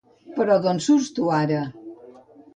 Però d'on surts, tu, ara?